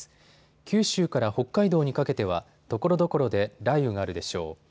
九州から北海道にかけてはところどころで雷雨があるでしょう。